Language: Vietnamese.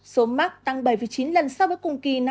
số mắc tăng bảy chín lần so với cùng kỳ năm hai nghìn hai mươi ba